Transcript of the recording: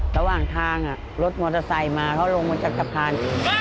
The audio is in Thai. ระหว่างทางรถมอเตอร์ไซค์มาเขาลงมาจากสะพาน